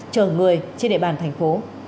chở người trên địa bàn thành phố